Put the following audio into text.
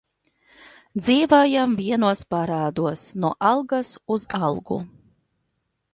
Dzīvojam vienos parādos, no algas uz algu.